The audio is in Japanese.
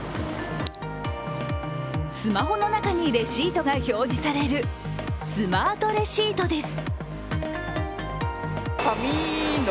スマホの中にレシートが表示される、スマートレシートです。